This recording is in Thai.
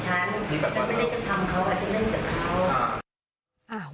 ฉันไม่ได้ต้องทำเขาฉันเล่นกับเขา